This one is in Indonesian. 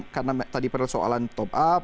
karena tadi persoalan top up